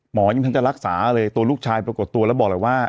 ยิ่งท่านจะรักษาเลยตัวลูกชายปรากฏตัวแล้วบอกเลยว่า